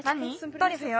トリュフよ。